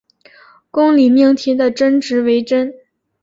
公理命题的真值为真。